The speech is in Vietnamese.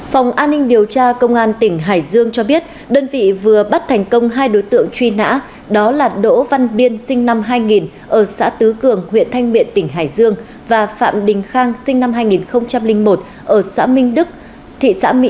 phòng an ninh điều tra công an tỉnh hải dương cho biết đơn vị vừa bắt thành công hai đối tượng truy nã đó là đỗ văn biên sinh năm hai nghìn ở xã tứ cường huyện thanh miện tỉnh hải dương và phạm đình khang sinh năm hai nghìn một